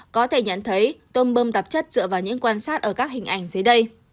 có thể nhận thấy tôm bơm tạp chất dựa vào những quan sát ở các hình ảnh dưới đây